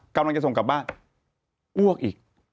กำลังจะส่งกลับบ้านอ้วกอีก